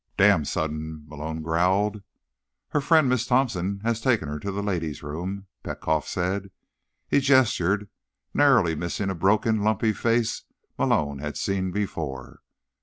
"Damn sudden," Malone growled. "Her friend, Miss Thompson, has taken her to the ladies' room," Petkoff said. He gestured, narrowly missing a broken, lumpy face Malone had seen before.